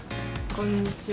こんにちは。